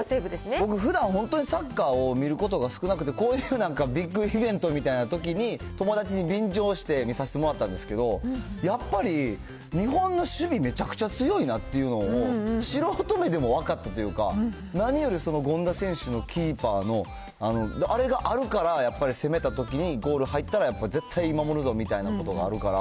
僕、ふだん本当にサッカーを見ることが少なくて、こういう日なんかビッグイベントのときなんかに、友達に便乗して見させてもらったんですけど、やっぱり日本の守備めちゃくちゃ強いなっていうのを、素人目でも分かったというか、何よりその権田選手のキーパーの、あれがあるからやっぱり攻めたときに、ゴール入ったらやっぱり絶対守るぞみたいなことがあるから。